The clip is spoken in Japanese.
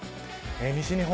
西日本